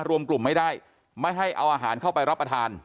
รวมกลุ่มไม่ได้ไม่ให้เอาอาหารเข้าไปรับประทาน